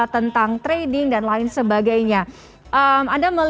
tentang trading dan lain sebagainya anda melihat ini pun yang juga menjadi salah satu masalah mengapa